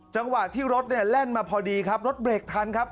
จังหวะที่รถเนี่ยแล่นมาพอดีครับรถเบรกทันครับ